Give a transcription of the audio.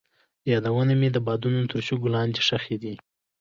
یادونه مې د بادونو تر شګو لاندې ښخې دي.